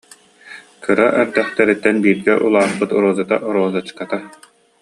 Кыра эрдэхтэриттэн бииргэ улааппыт Розата, Розочката